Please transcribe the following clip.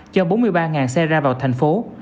cho bốn mươi ba xe ra vào thành phố